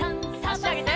あしあげて。